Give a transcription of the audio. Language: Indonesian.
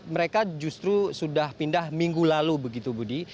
mereka justru sudah pindah minggu lalu begitu budi